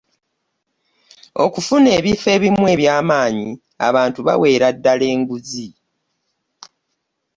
okufuna ebifo ebimu eby'amaanyi abantu baweera ddala enguzi.